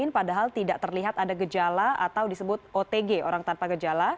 padahal tidak terlihat ada gejala atau disebut otg orang tanpa gejala